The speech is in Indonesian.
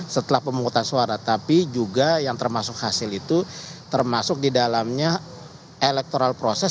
setelah pemungutan suara tapi juga yang termasuk hasil itu termasuk di dalamnya electoral proses